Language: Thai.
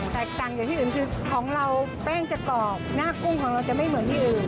แตกต่างจากที่อื่นคือของเราแป้งจะกรอบหน้ากุ้งของเราจะไม่เหมือนที่อื่น